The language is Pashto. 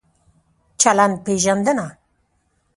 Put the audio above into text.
چلند پېژندنه